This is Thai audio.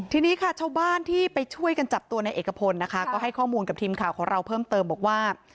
ทีนี้ค่ะชาวบ้านที่ไปช่วยกันจับตัวในเอกพลนะคะก็ให้ข้อมูลกับทีมข่าวของเราเพิ่มเติมบอกว่า